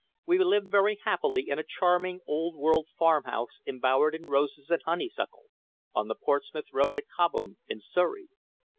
We live very happily in a charming, old world farmhouse embowered in roses and honeysuckle, on the Portsmouth Road at Cobham, in Surrey.